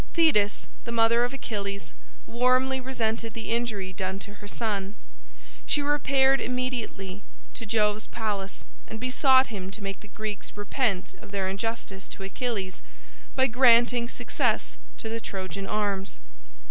Thetis, the mother of Achilles, warmly resented the injury done to her son. She repaired immediately to Jove's palace and besought him to make the Greeks repent of their injustice to Achilles by granting success to the Trojan arms.